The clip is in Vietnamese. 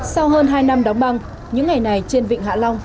sau hơn hai năm đóng băng những ngày này trên vịnh hạ long